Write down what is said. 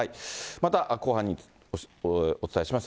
また後半にお伝えします。